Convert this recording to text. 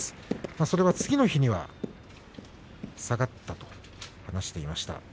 それは次の日には下がったと話していました。